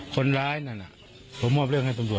คนร้ายนั่นน่ะผมมอบเรื่องให้ตรวจแล้ว